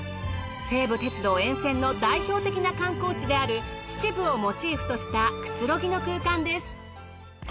西武鉄道沿線の代表的な観光地である秩父をモチーフとしたくつろぎの空間です。